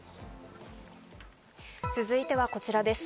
続いては、こちらです。